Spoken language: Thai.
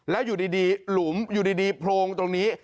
แล้วอยู่ดีหลุมอยู่ดีโพรงตรงนี้